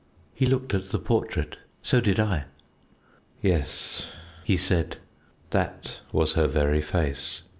He looked at the portrait. So did I. "Yes," he said, "that was her very face.